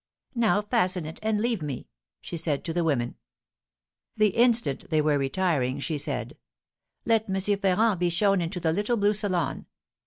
"Now fasten it, and leave me!" she said to the women. The instant they were retiring, she said, "Let M. Ferrand be shown into the little blue salon."